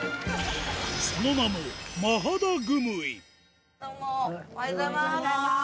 その名もどうもおはようございます。